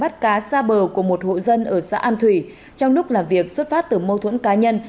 bắt cá xa bờ của một hộ dân ở xã an thủy trong lúc làm việc xuất phát từ mâu thuẫn cá nhân